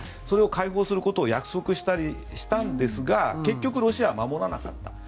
それを解放することを約束したりしたんですが結局ロシアは守らなかった。